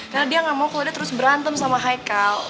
karena dia gak mau kalo dia terus berantem sama haikal